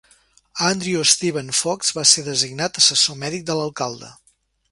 Andrew Steven Fox va ser designat assessor mèdic de l'alcalde.